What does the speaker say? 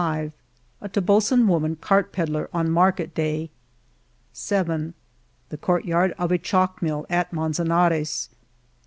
•• S A Tobosan woman cart pedler on market day, .. j The court yard of a chalk mill at Manzanares